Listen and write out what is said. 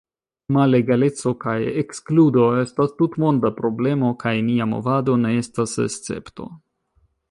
Malegaleco kaj ekskludo estas tutmonda problemo, kaj nia movado ne estas escepto.